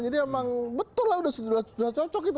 jadi memang betul lah sudah cocok itu